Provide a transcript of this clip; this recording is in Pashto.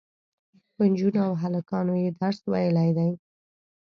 په نجونو او هلکانو یې درس ویلی دی.